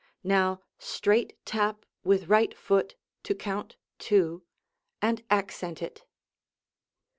Now straight tap with right foot to count "two" and accent it.